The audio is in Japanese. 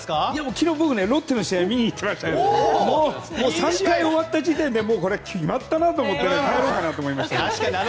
昨日、僕ロッテの試合を見に行っていて３回終わった時点で決まったなと思って帰ろうかなと思いましたけどね。